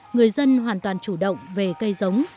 người dân hoàn toàn chủ động về cây giống